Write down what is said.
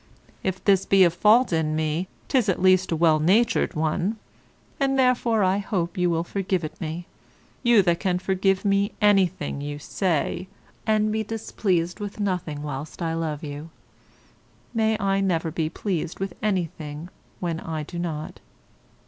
If this be a fault in me, 'tis at least a well natured one; and therefore I hope you will forgive it me, you that can forgive me anything, you say, and be displeased with nothing whilst I love you; may I never be pleased with anything when I do not.